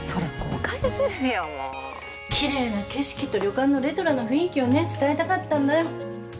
奇麗な景色と旅館のレトロな雰囲気をね伝えたかったんだよ。